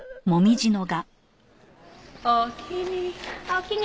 おおきに。